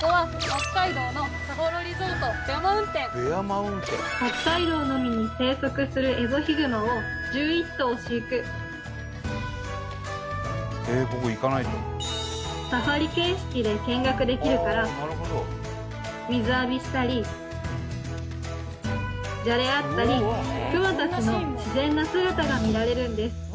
北海道のみに生息するエゾヒグマを１１頭飼育サファリ形式で見学できるから水浴びしたりじゃれ合ったりクマ達の自然な姿が見られるんです